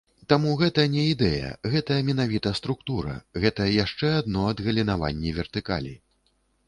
Таму гэта не ідэя, гэта менавіта структура, гэта яшчэ адно адгалінаванне вертыкалі.